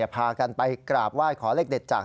พากันไปกราบไหว้ขอเลขเด็ดจาก